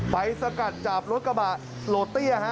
ไปสกัดจับรถกระบะโหลติ่ยาฮะ